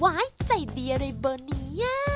ไว้ใจดีอะไรบ่นี้